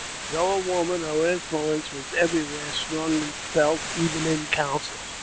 Though a woman, her influence was everywhere strongly felt, even in council.